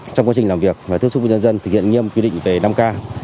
trong quá trình làm việc và thước xúc với nhân dân thực hiện nhiệm quyết định về năm k